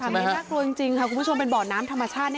ไม่น่ากลัวจริงค่ะคุณผู้ชมเป็นบ่อน้ำธรรมชาติ